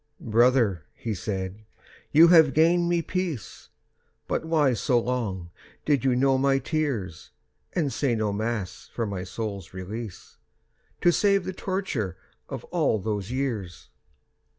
"Brother," he said, "you have gained me peace, But why so long did you know my tears, And say no Mass for my soul's release, To save the torture of all those years?"